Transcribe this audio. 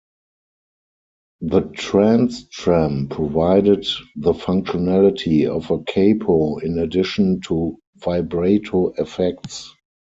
The TransTrem provided the functionality of a capo in addition to vibrato effects.